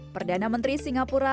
perdana menteri singapura